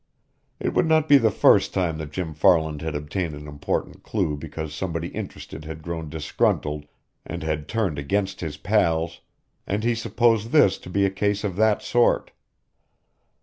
It would not be the first time that Jim Farland had obtained an important clew because somebody interested had grown disgruntled and had turned against his pals; and he supposed this to be a case of that sort.